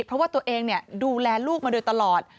เพราะว่าตัวเองดูแลลูกมาโดยตลอด